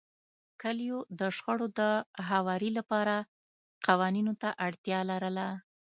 کلیو د شخړو د هواري لپاره قوانینو ته اړتیا لرله.